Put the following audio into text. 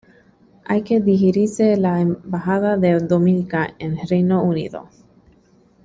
Hay que dirigirse a la Embajada de Dominica en Reino Unido.